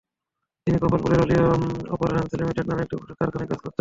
তিনি কমলাপুরের অলিও apparels limited নামে একটি পোশাক কারখানায় কাজ করতেন।